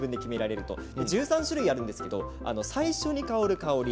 １３種類あるんですが最初に香る香り